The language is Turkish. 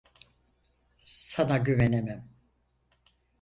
Sana güvenemem.